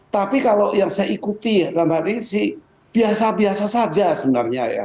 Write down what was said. tapi kalau yang saya ikuti ya dalam hal ini sih biasa biasa saja sebenarnya ya